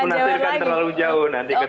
nanti menantikan terlalu jauh nanti ketiak